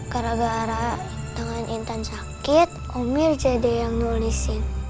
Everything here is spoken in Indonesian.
gara gara tangan intan sakit omir jadi yang nulisin